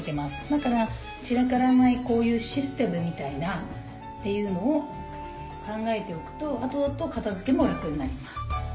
だから散らからないこういうシステムみたいなっていうのを考えておくとあとあと片づけも楽になります。